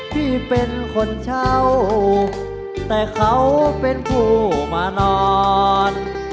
ที่เป็นคนเช่าแต่เขาเป็นผู้มานอน